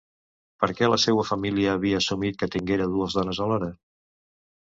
Per què la seua família havia assumit que tinguera dues dones alhora?